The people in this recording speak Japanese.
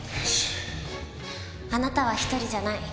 あなたは一人じゃない。